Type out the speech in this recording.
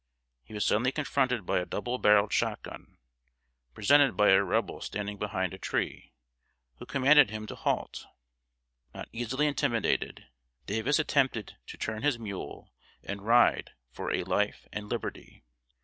He was suddenly confronted by a double barreled shot gun, presented by a Rebel standing behind a tree, who commanded him to halt. Not easily intimidated, Davis attempted to turn his mule and ride for a life and liberty.